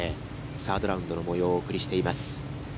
サードラウンドの模様をお送りしています。